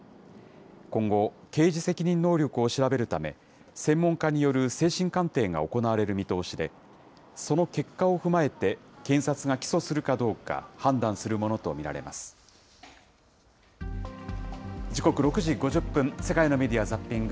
今後、刑事責任能力を調べるため、専門家による精神鑑定が行われる見通しで、その結果を踏まえて検察が起訴するかどうか、判断するものと見ら時刻、６時５０分、世界のメディア・ザッピング。